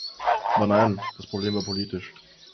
Aber nein, das Problem war politisch.